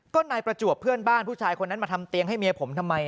ก็นายประจวบเพื่อนบ้านผู้ชายคนนั้นมาทำเตียงให้เมียผมทำไม